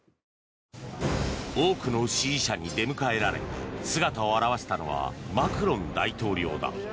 多くの支持者に出迎えられ姿を現したのはマクロン大統領だ。